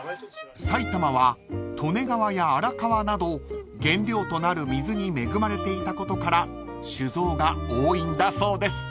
［埼玉は利根川や荒川など原料となる水に恵まれていたことから酒造が多いんだそうです］